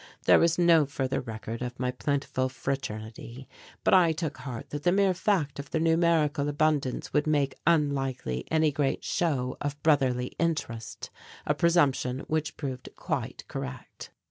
There was no further record of my plentiful fraternity, but I took heart that the mere fact of their numerical abundance would make unlikely any great show of brotherly interest, a presumption which proved quite correct.